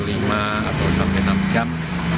lima atau sampai enam jam